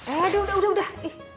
aduh udah udah